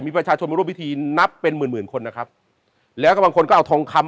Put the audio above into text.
มีประชาชนมาร่วมพิธีนับเป็นหมื่นหมื่นคนนะครับแล้วก็บางคนก็เอาทองคำ